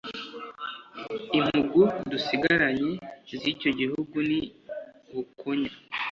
Impugu dusigaranye z’icyo gihugu ni Bukonya